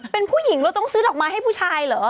เป็นผู้หญิงเราต้องซื้อดอกไม้ให้ผู้ชายเหรอ